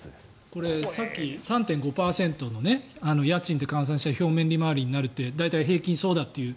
これさっき３．５％の家賃で考えたら表面利回りになって大体、平均はそうだという。